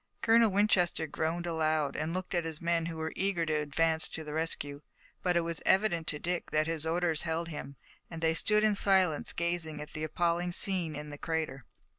Colonel Winchester groaned aloud, and looked at his men who were eager to advance to the rescue, but it was evident to Dick that his orders held him, and they stood in silence gazing at the appalling scene in the crater.